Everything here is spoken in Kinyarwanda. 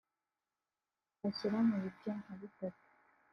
twashyira mu bice nka bitatu